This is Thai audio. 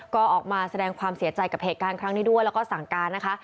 ก็ออกมาแสดงความเสียใจกับเหตุการณ์ครั้งนี้ด้วยแล้วก็สั่งการนะคะ